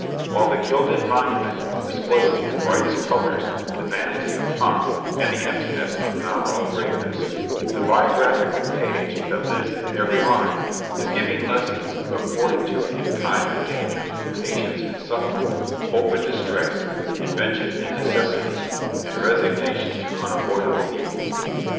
While the gilded monument displays in brightest colors the vanity of pomp, and the emptiness of nominal greatness, the biographical page, that lives in every line, is giving lessons of fortitude in time of danger, patience in suffering, hope in distress, invention in necessity, and resignation to unavoidable evils.